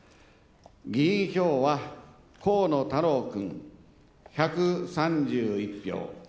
議員票は河野太郎君、１３１票。